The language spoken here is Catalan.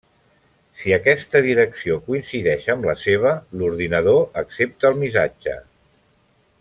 Si aquesta direcció coincideix amb la seva, l'ordinador accepta el missatge.